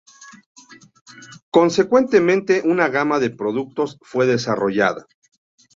Consecuentemente, una gama de productos fue desarrollada.